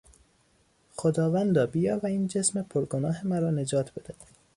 خداوندا بیا و این جسم پرگناه مرا نجات بده.